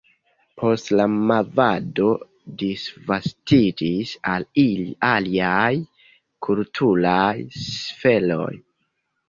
Poste la movado disvastiĝis al aliaj kulturaj sferoj.